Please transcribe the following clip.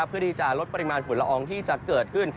เพื่อที่จะลดปริมาณฝุ่นละอองที่จะเกิดขึ้น